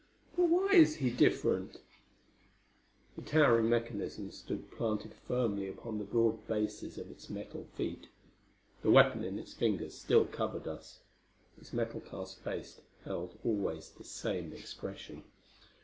"But why is he different?" The towering mechanism stood planted firmly upon the broad bases of its metal feet. The weapon in its fingers still covered us. Its metal cast face held always the same expression.